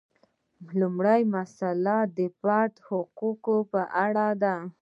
لومړۍ مسئله د فرد د حقوقو په اړه ده.